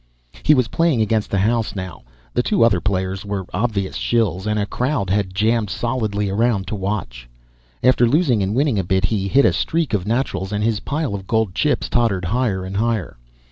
He was playing against the house now, the two other players were obvious shills, and a crowd had jammed solidly around to watch. After losing and winning a bit he hit a streak of naturals and his pile of gold chips tottered higher and higher.